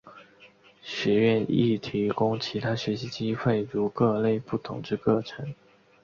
学院亦提供其他学习机会如各类不同之课程。